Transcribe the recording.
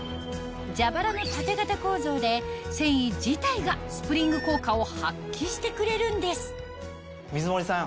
蛇腹の縦型構造で繊維自体がスプリング効果を発揮してくれるんです水森さん